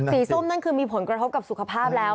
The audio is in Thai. ส้มนั่นคือมีผลกระทบกับสุขภาพแล้ว